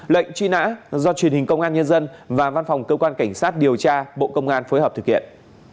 lệnh truy nã do truyền hình công an nhân dân và văn phòng cơ quan cảnh sát điều tra bộ công an phối hợp thực hiện